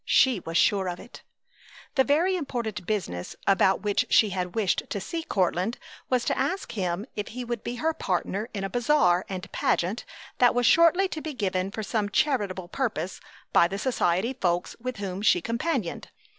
She was sure of it! The very important business about which she had wished to see Courtland was to ask him if he would be her partner in a bazaar and pageant that was shortly to be given for some charitable purpose by the society folks with whom she companioned.